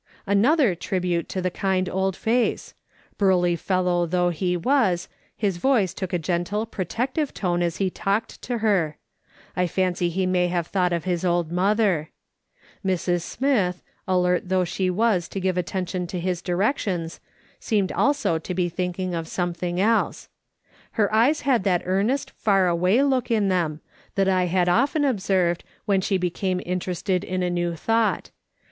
Another tribute to the kind old face. Burly fellow though he was, his voice took a gentle, protective tone as he talked to her ; I fancy he may have thought of his old mother. Mrs. Smith, alert though she was to give attention to his directions, seemed also to be thinking of something else. Her eyes had that earnest, far away look in them, that I had often observed when she became interested in a new tliought.